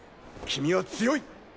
君は強い！